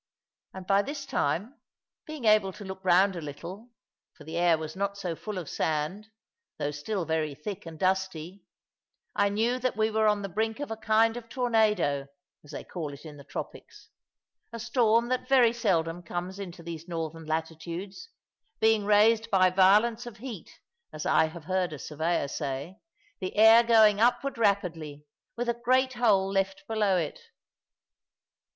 And by this time being able to look round a little for the air was not so full of sand, though still very thick and dusty I knew that we were on the brink of a kind of tornado, as they call it in the tropics, a storm that very seldom comes into these northern latitudes, being raised by violence of heat, as I have heard a surveyor say, the air going upward rapidly, with a great hole left below it.